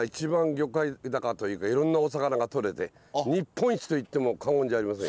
魚介というかいろんなお魚がとれて日本一といっても過言じゃありませんよ。